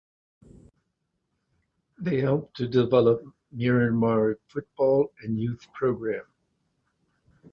They help to develop Myanmar Football and Youth program.